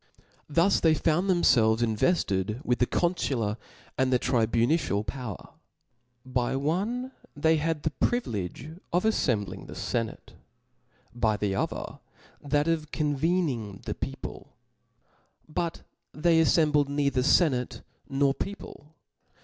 Thus they found thcmfelves invcfted with the confular and the tribu nitian power, By one tb^y had the privilege of aflembling the fenate, by the Other that of con ^ vcning the people ; but they aflcmblcd neither fenate ^ nor people.